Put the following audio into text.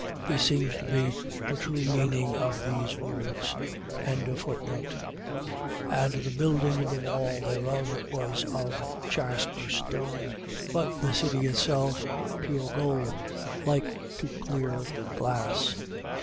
. .This seems to be the true meaning of these words. 21:18. And the building of the wall thereof was of jasper stone: but the city itself pure gold like to clear glass.